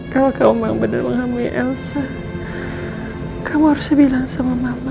kalau kau memang benar menghamui elsa kamu harusnya bilang sama mama